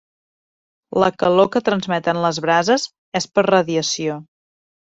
La calor que transmeten les brases és per radiació.